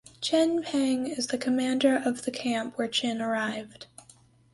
Chin Peng is the commander of the camp where Chin arrived.